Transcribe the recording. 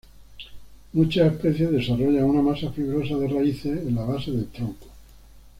Muchas especies desarrollan una masa fibrosa de raíces en la base del tronco.